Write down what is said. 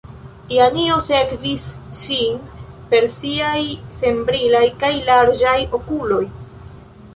Janjo sekvis ŝin per siaj senbrilaj kaj larĝaj okuloj.